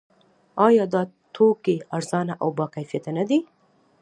آیا دا توکي ارزانه او باکیفیته نه دي؟